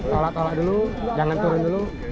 tolak tolak dulu jangan turun dulu